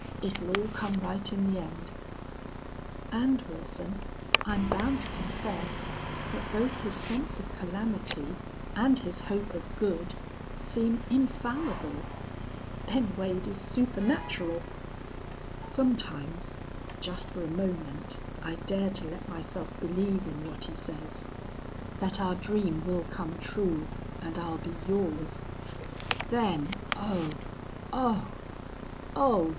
It'll all come right in the end!'... And, Wilson, I'm bound to confess that both his sense of calamity and his hope of good seem infallible. Ben Wade is supernatural. Sometimes, just for a moment, I dare to let myself believe in what he says that our dream will come true and I'll be yours. Then oh! oh! oh!